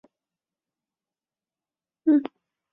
德商鲁麟洋行是中国近代史上一家知名的洋行。